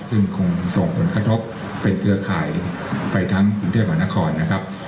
ซึ่งคงส่งผลกระทบเป็นเครือข่ายไปทั้งกรุงเทพมหานครนะครับ